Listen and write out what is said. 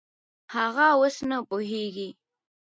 هغه اوس نه پوهېږي.